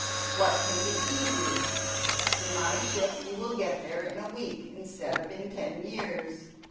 What can be easier? In my ship you will get there in a week instead of in ten years.